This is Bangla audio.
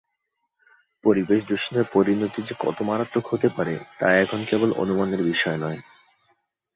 পরিবেশ দূষণের পরিণতি যে কত মারাত্মক হতে পারে তা এখন কেবল অনুমানের বিষয় নয়।